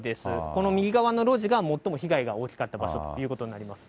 この右側の路地が最も被害が大きかった場所ということになります。